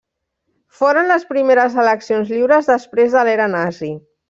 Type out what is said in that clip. Foren les primeres eleccions lliures després de l'era nazi.